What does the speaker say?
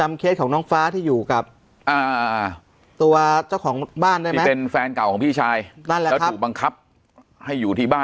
ไม่ได้มีการทำ